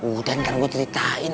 udah ntar gue ceritain